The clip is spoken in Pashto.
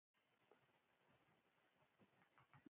ډیپلوماسي د هیوادونو ترمنځ د اړیکو لارښود او تنظیم کول دي